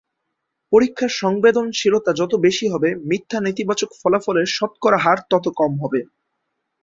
পরীক্ষার সংবেদনশীলতা যত বেশি হবে, মিথ্যা নেতিবাচক ফলাফলের শতকরা হার তত কম হবে।